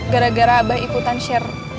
gara gara abah ikutan share